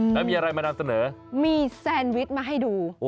แล้วมีอะไรมานำเสนอมีแซนวิชมาให้ดู